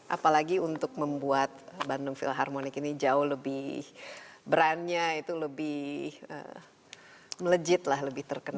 apalagi untuk membuat bandung philharmonic ini jauh lebih brandnya itu lebih melejit lah lebih terkenal